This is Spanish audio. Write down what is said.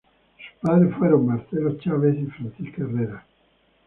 Sus padres fueron Marcelo Chávez y Francisca Herrera.